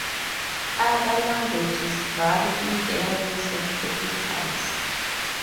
Other languages vary in their use of capitals.